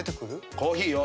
コーヒーよ。